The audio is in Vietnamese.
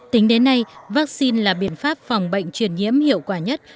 tính đến nay vaccine là biện pháp phòng bệnh truyền nhiễm hiệu quả nhất